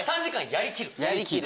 やりきる。